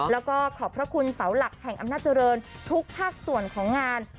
แล้วก็ขอบพระคุณเสาหลักแห่งอำนาจเจริญทุกภาคส่วนของงาน